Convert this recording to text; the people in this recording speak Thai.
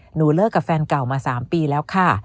หนูเลิกกับแฟนเก่ามา๓ปีแล้วค่ะ